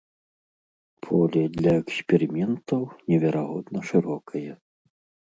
Поле для эксперыментаў неверагодна шырокае.